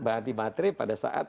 ganti baterai pada saat